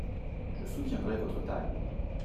Je soutiendrai votre taille.